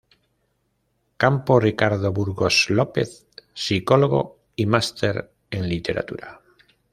Campo Ricardo Burgos López, psicólogo y máster en literatura.